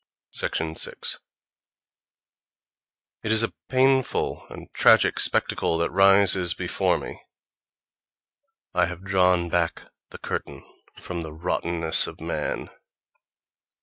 — 6. It is a painful and tragic spectacle that rises before me: I have drawn back the curtain from the rottenness of man.